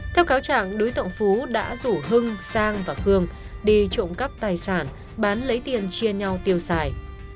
theo cáo trạng đối tượng phú đã rủ hưng sang và khương đi trộm cắp tài sản bán lấy tiền chia nhau tiêu xài